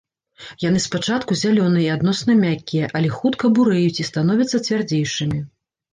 Яны спачатку зялёныя і адносна мяккія, але хутка бурэюць і становяцца цвярдзейшымі.